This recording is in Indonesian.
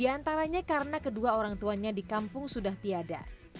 di antaranya karena kedua orang tuanya di kampung sudah tiada